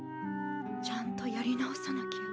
ちゃんとやり直さなきゃ。